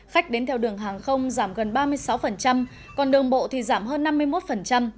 khách đến theo đường hàng không giảm gần ba mươi sáu còn đường bộ thì giảm hơn năm mươi một